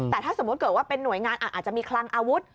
แต่ถ้าสมมุติเกิดว่าเป็นหน่วยงานอาจจะมีคลังอาวุธ